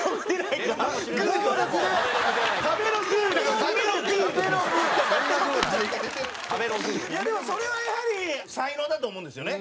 いやでもそれはやはり才能だと思うんですよね。